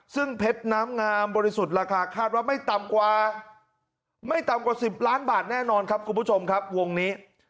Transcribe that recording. ซึ่งเพชรน้ำงามบริสุทธิ์ราคาคาดว่าไม่ต่ำกว่าไม่ต่ำกว่า๑๐ล้านบาทแน่นอนครับคุณผู้ชมครับวงนี้